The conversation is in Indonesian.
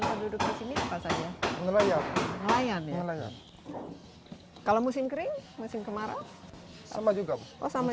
harian duduk di sini pasangnya melayang melayang kalau musim kering mesin kemarau sama juga sama